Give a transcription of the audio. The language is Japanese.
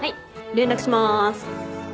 連絡しまーす。